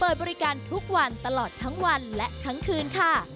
บริการทุกวันตลอดทั้งวันและทั้งคืนค่ะ